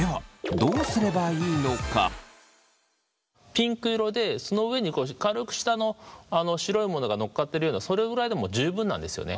ピンク色でその上に軽く舌の白いものがのっかってるようなそれぐらいでも十分なんですよね。